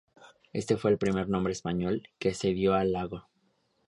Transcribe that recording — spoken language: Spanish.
Este fue el primer nombre español que se dio al lago.